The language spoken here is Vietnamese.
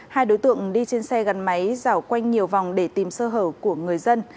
hai đối tượng đi trên xe gắn máy dạo quanh nhiều vòng để tìm sơ hở của người dân